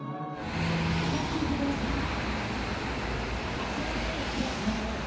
明日のために、今日つながろう。